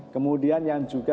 kemudian yang juga